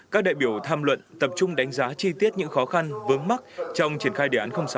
các đại biểu tham luận tập trung đánh giá chi tiết những khó khăn vướng mắt trong triển khai đề án sáu